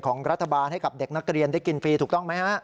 ของรัฐบาลให้กับเด็กนักเรียนได้กินฟรีถูกต้องไหมฮะ